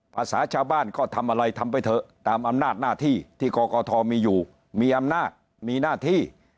ภาษาชาวบ้านก็ทำอะไรทำไปเถอะตามอำนาจหน้าที่ที่กกทมีอยู่มีอำนาจมีหน้าที่